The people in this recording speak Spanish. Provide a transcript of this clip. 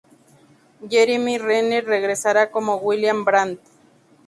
Jeremy Renner regresará como William Brandt.